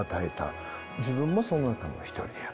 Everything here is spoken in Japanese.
自分もその中の一人である。